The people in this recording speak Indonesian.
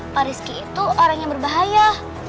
pak rizky itu orang yang berbahaya